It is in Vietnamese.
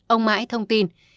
ông mãi thông tin